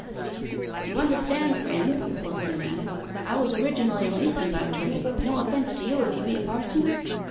'You understand, friend,' the postman added, 'I was originally a mason by trade: no offence to you if you be a parson?